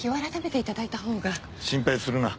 心配するな。